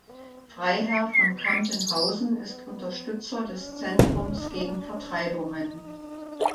Freiherr von Campenhausen ist Unterstützer des Zentrums gegen Vertreibungen.